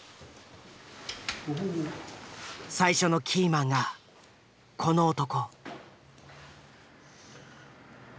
最初のキーマンがこの男。